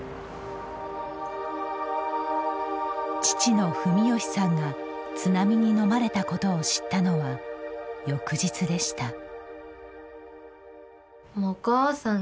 父の文禎さんが津波にのまれたことを知ったのは翌日でした。